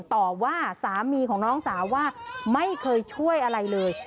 ต่อว่าสามีของน้องสาวว่าไม่เคยช่วยอะไรเลย